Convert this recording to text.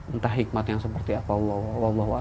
entah hikmat yang seperti apa